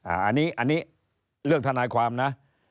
อันนี้เรื่องทนายความนะ